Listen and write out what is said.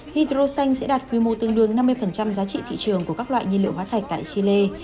hydro xanh sẽ đạt quy mô tương đương năm mươi giá trị thị trường của các loại nhiên liệu hóa thạch tại chile